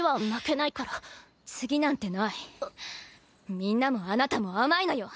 みんなもあなたも甘いのよ。